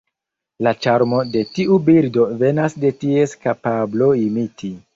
La ĉarmo de tiu birdo venas de ties kapablo imiti.